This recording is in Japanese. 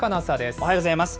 おはようございます。